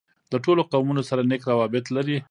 له ټولو قومونوسره نېک راوبط لري.